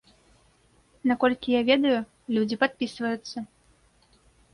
Наколькі я ведаю, людзі падпісваюцца.